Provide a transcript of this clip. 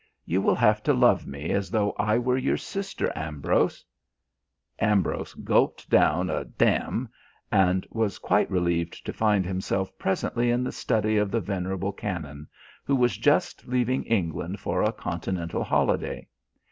You will have to love me as though I were your sister, Ambrose " Ambrose gulped down a "d n" and was quite relieved to find himself presently in the study of the venerable canon, who was just leaving England for a Continental holiday.